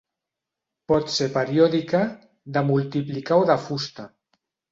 Pot ser periòdica, de multiplicar o de fusta.